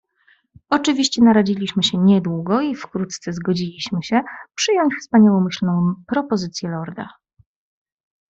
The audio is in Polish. "Oczywiście, naradzaliśmy się niedługo i wkrótce zgodziliśmy się przyjąć wspaniałomyślną propozycję lorda."